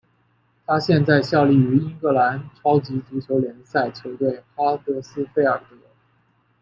他现在效力于英格兰超级足球联赛球队哈德斯菲尔德。